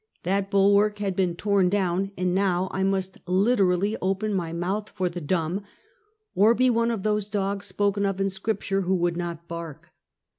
That bulwark had been torn down, and now 1 must literally open my mouth for the dumb, or be one of those dogs spoken of in Scripture who would not bark.